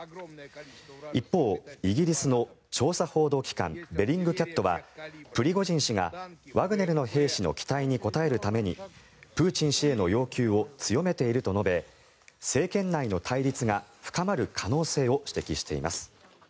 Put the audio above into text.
一方、イギリスの調査報道機関ベリングキャットはプリゴジン氏がワグネルの兵士の期待に応えるためにプーチン氏への要求を強めていると述べ政権内の対立が深まる可能性を指摘しています。